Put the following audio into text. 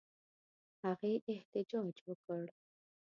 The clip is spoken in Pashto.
هغې احتجاج وکړ.